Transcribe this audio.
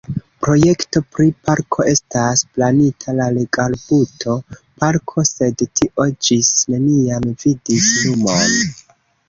Projekto pri parko estas planita, la Regalbuto-parko, sed tio ĝis neniam vidis lumon.